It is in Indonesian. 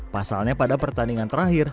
pasalnya pada pertandingan terakhir